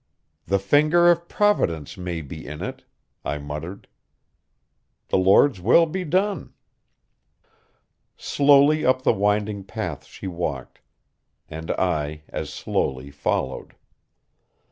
"The finger of Providence may be in it," I muttered. "The Lord's will be done." Slowly up the winding path she walked, and I as slowly followed.